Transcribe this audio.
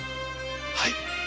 はい。